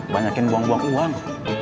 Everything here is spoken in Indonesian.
banyakin buang buang uang